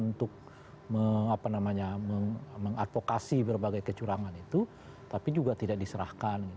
untuk mengadvokasi berbagai kecurangan itu tapi juga tidak diserahkan